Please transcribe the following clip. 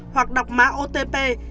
hoặc đọc mã otp